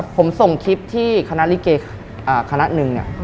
ผมส่งคลิปที่คณะริเกย์คณะนึง